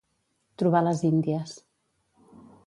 Trobar les índies.